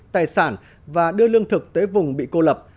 tài sản và đưa lương thực tới vùng bị cô lập